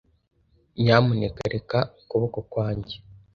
Nyamuneka reka ukuboko kwanjye.